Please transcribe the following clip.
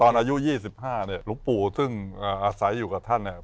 ตอนอายุ๒๕ลุงปู่ซึ่งอาศัยอยู่กับท่านเนี่ย